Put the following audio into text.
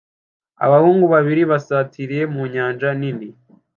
Abahungu babiri basatiriye mu nyanja nini